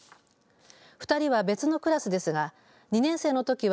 ２人は別のクラスですが２年生のときは